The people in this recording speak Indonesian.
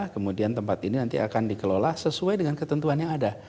kemudian tempat ini nanti akan dikelola sesuai dengan ketentuan yang ada